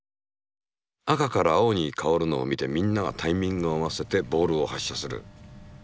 赤から青に変わるのを見てみんながタイミングを合わせてボールを発射する。